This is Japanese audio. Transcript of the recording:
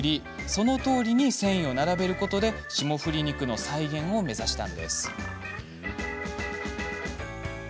そのとおりに線維を並べることで霜降り肉の再現を目指しました。